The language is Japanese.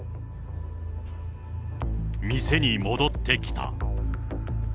店に戻ってきた。